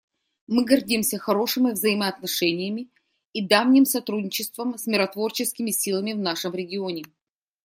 Мы гордимся хорошими взаимоотношениями и давним сотрудничеством с миротворческими силами в нашем регионе.